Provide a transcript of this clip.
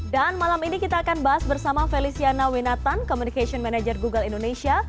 dan malam ini kita akan bahas bersama feliciana winatan communication manager google indonesia